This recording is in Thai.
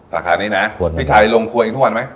ราคานี้นะพี่ชัยลงครัวเองทุกวันไหม